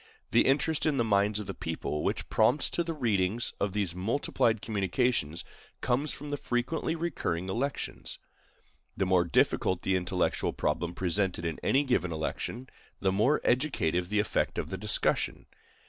The interest in the minds of the people which prompts to the reading of these multiplied communications comes from the frequently recurring elections. The more difficult the intellectual problem presented in any given election, the more educative the effect of the discussion.